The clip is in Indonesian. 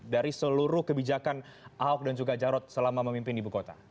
dari seluruh kebijakan ahok dan juga jarod selama memimpin ibu kota